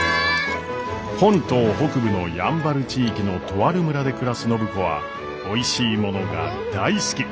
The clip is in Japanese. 本島北部のやんばる地域のとある村で暮らす暢子はおいしいものが大好き。